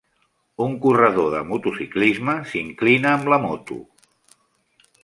Un corredor de motociclisme s'inclina amb la moto.